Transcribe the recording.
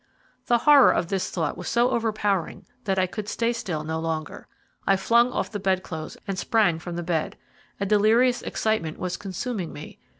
The horror of this thought was so over powering that I could stay still no longer. I flung off the bed clothes and sprang from the bed. A delirious excitement was consuming me.